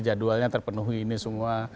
jadwalnya terpenuhi ini semua